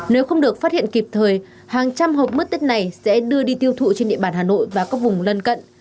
nếu không được phát hiện kịp thời hàng trăm hộp mất tích này sẽ đưa đi tiêu thụ trên địa bàn hà nội và các vùng lân cận